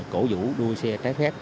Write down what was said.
cổ vũ đuôi xe trái phép